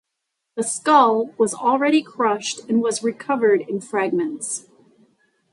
The skull was already crushed and was recovered in fragments.